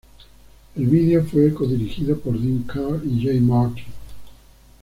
El video fue co-dirigido por Dean Karr y Jay Martin.